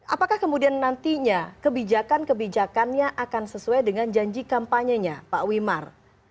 apakah kemudian nantinya kebijakan kebijakannya akan sesuai dengan janji kampanyenya pak wimar